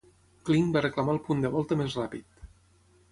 Kling va reclamar el punt de volta més ràpid.